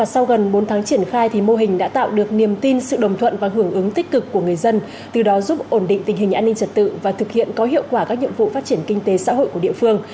sau gần bốn tháng triển khai mô hình đã tạo được niềm tin sự đồng thuận và hưởng ứng tích cực của người dân từ đó giúp ổn định tình hình an ninh trật tự và thực hiện có hiệu quả các nhiệm vụ phát triển kinh tế xã hội của địa phương